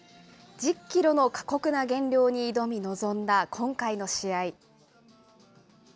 １０キロの過酷な減量に挑み臨んだ今回の試合。